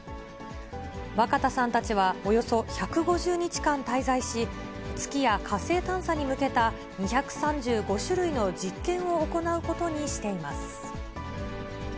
若田さんたちは、およそ１５０日間滞在し、月や火星探査に向けた２３５種類の実験を行うことにしています。